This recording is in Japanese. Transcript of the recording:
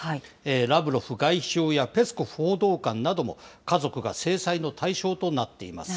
ラブロフ外相やペスコフ報道官なども家族が制裁の対象となっています。